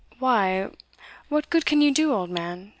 "Why, what good can you do, old man?"